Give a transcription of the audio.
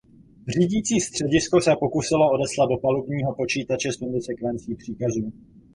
Řídící středisko se pokusilo odeslat do palubního počítače sondy sekvenci příkazů.